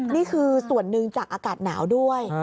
นี่คือส่วนหนึ่งจากอากาศหนาวด้วย